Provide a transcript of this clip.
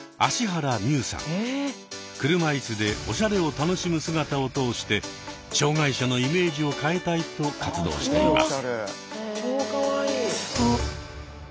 車いすでおしゃれを楽しむ姿を通して障害者のイメージを変えたいと活動しています。